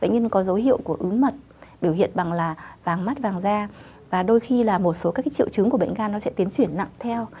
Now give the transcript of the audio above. bệnh nhân có dấu hiệu của ứ mật biểu hiện bằng là vàng mắt vàng da và đôi khi là một số các triệu chứng của bệnh gan nó sẽ tiến triển nặng theo